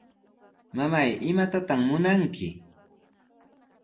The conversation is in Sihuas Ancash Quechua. Mamay, ¿imatataq munanki?